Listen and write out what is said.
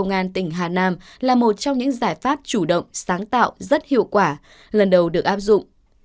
công an tỉnh hà nam là một trong những giải pháp chủ động sáng tạo rất hiệu quả lần đầu được áp dụng